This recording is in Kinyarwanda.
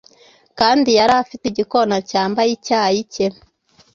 kandi yari afite igikona cyambaye icyayi cye